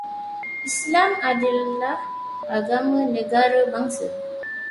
Islam adalah agama negara bangsa